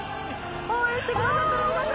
応援してくださってる皆様。